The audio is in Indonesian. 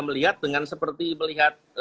melihat dengan seperti melihat